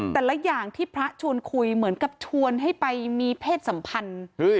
แต่ละอย่างที่พระชวนคุยเหมือนกับชวนให้ไปมีเพศสัมพันธ์